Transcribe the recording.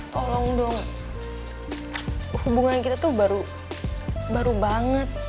tolong dong hubungan kita tuh baru banget